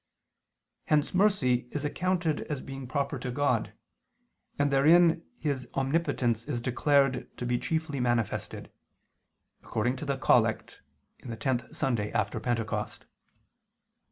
Hence mercy is accounted as being proper to God: and therein His omnipotence is declared to be chiefly manifested [*Collect, Tenth Sunday after Pentecost].